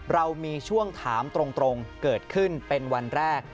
เรามีช่วงถามตรงเกิดขึ้นเป็นวันแรก